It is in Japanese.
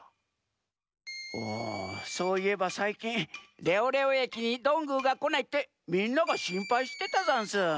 あそういえばさいきんレオレオ駅にどんぐーがこないってみんながしんぱいしてたざんす。